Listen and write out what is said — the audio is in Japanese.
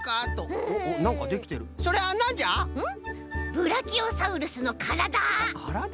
ブラキオサウルスのからだ！からだな。